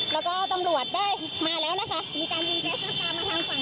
แล้วก็ตำรวจได้มาแล้วนะคะมีการยืนแด็กซ์และกลางมาทางฝั่ง